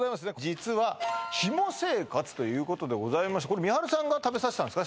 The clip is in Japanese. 実はヒモ生活ということでございましてこれみはるさんが食べさせたんですか？